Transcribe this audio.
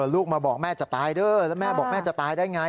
ลูกมาบอกแม่จะตายเด้อแล้วแม่บอกแม่จะตายได้ไง